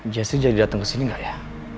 jessy jadi dateng kesini gak ya